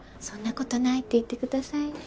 そんなことないって言ってください。